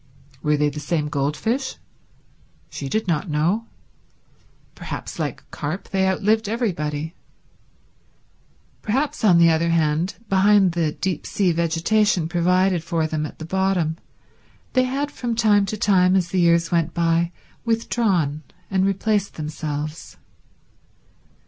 Were they the same goldfish? She did not know. Perhaps, like carp, they outlived everybody. Perhaps, on the other hand, behind the deep sea vegetation provided for them at the bottom, they had from time to time as the years went by withdrawn and replaced themselves.